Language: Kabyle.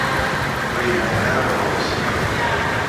Ur yemɛin ara ɣer ɣur-s.